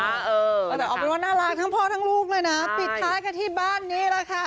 แต่เอาเป็นว่าน่ารักทั้งพ่อทั้งลูกเลยนะปิดท้ายกันที่บ้านนี้แหละค่ะ